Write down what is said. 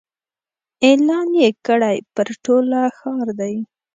اعلان یې کړی پر ټوله ښار دی